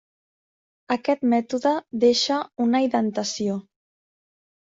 Aquest mètode deixa una indentació.